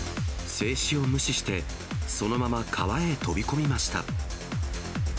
制止を無視して、そのまま川へ飛び込みました。